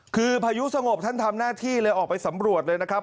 คือพายุสงบท่านทำหน้าที่เลยออกไปสำรวจเลยนะครับ